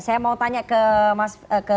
saya mau tanya ke